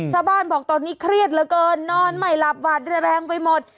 ชาวบ้านบอกตอนนี้เครียดเหลือเกินนอนไม่หลับหวาดระแวงไปหมด